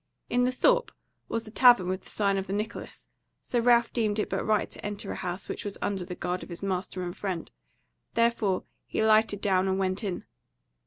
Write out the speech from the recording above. In the thorp was a tavern with the sign of the Nicholas, so Ralph deemed it but right to enter a house which was under the guard of his master and friend; therefore he lighted down and went in.